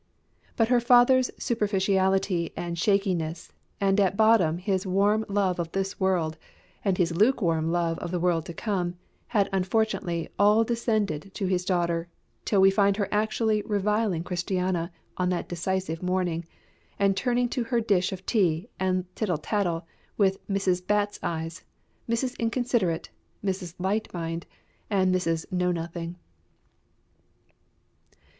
But her father's superficiality and shakiness, and at bottom his warm love of this world and his lukewarm love of the world to come, had unfortunately all descended to his daughter, till we find her actually reviling Christiana on that decisive morning, and returning to her dish of tea and tittle tattle with Mrs. Bats eyes, Mrs. Inconsiderate, Mrs. Light mind, and Mrs. Know nothing.